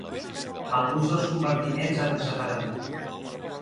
Alguns dels compartiments han desaparegut.